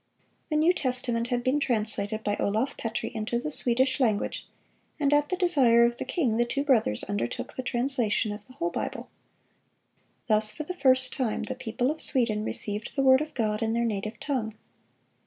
The New Testament had been translated by Olaf Petri into the Swedish language, and at the desire of the king the two brothers undertook the translation of the whole Bible. Thus for the first time the people of Sweden received the word of God in their native tongue.